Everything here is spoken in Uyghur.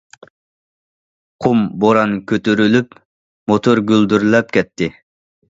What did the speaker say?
قۇم- بوران كۆتۈرۈلۈپ، موتور گۈلدۈرلەپ كەتتى.